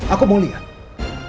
aku mau lihat